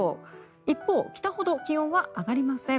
一方、北ほど気温は上がりません。